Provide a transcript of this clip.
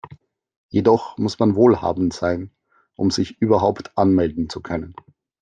Jedoch muss man wohlhabend sein, um sich überhaupt anmelden zu können.